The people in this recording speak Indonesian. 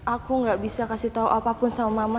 aku gak bisa kasih tahu apapun sama mama